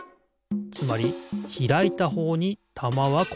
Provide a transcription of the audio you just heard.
つまりひらいたほうにたまはころがる。